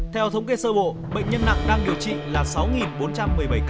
theo thống kê sơ bộ bệnh nhân nặng đang điều trị là sáu bốn trăm một mươi bảy ca